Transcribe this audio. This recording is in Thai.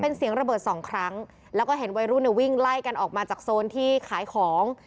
เป็นเสียงระเบิดสองครั้งแล้วก็เห็นวัยรุ่นเนี่ยวิ่งไล่กันออกมาจากโซนที่ขายของ